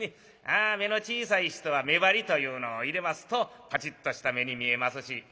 ああ目の小さい人は目張りというのを入れますとぱちっとした目に見えますし。